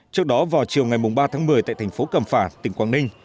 trước đó vào chiều ngày mùng ba tháng một mươi tại thành phố cầm phà tỉnh quảng ninh